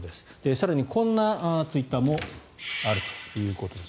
更に、こんなツイッターもあるということです。